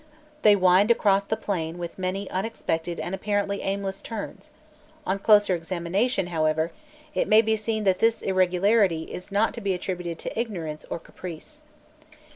They wind across the plain with many unexpected and apparently aimless turns; on closer examination, however, it may be seen that this irregularity is not to be attributed to ignorance or caprice.